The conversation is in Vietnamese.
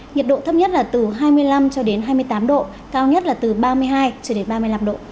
nhiệt độ thấp nhất là từ hai mươi năm cho đến hai mươi tám độ cao nhất là từ ba mươi hai cho đến ba mươi năm độ